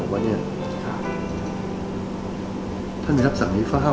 ว่าท่านมีทักษะนี้เฝ้า